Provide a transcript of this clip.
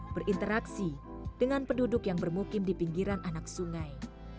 berinteraksi dengan penduduk yang bermukim di pinggiran anak sungai